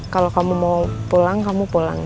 kalau kamu mau pulang kamu pulang